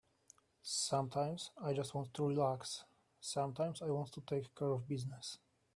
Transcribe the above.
Sometimes I just want to relax, sometimes I want to take care of business.